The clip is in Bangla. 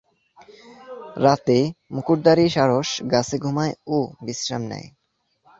রাতে, মুকুটধারী সারস গাছে ঘুমায় ও বিশ্রাম নেয়।